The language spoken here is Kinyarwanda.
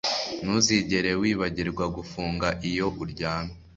Ntuzigere wibagirwa gufunga iyo uryamye